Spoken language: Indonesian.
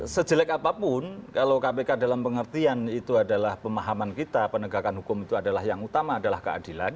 sejelek apapun kalau kpk dalam pengertian itu adalah pemahaman kita penegakan hukum itu adalah yang utama adalah keadilan